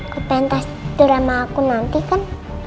kepentas drama aku nanti kan